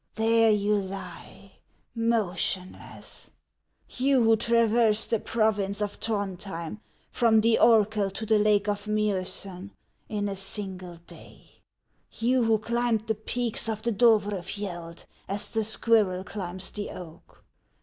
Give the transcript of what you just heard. There you lie motionless, — you who traversed the province of Throndhjem, from the Orkel to the Lake of Mib'sen, in a single day ; you who climbed the peaks of the Dovrefjeld as the squirrel climbs the oak.